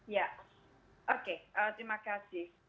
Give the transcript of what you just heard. ya oke terima kasih